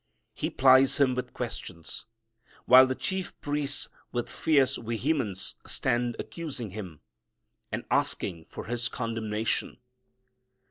He plies Him with questions, while the chief priests with fierce vehemence stand accusing Him, and asking for His condemnation.